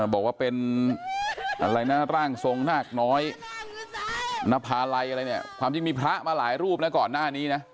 บอกว่าเป็นอะไรนะร่างทรงนาคน้อยนภาลัยอะไรเนี่ยความจริงมีพระมาหลายรูปนะก่อนหน้านี้นะ